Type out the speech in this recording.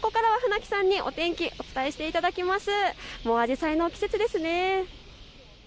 ここからは船木さんにお天気、お伝えしていただきます。